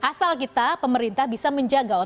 asal kita pemerintah bisa menjaga